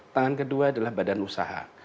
tangan kedua adalah badan usaha